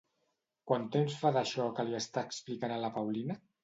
Quant temps fa d'això que li està explicant a la Paulina?